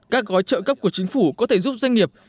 các gói trợ cấp của chính phủ có thể giúp doanh nghiệp